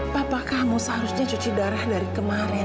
papa kamu seharusnya cuci darah dari kemarin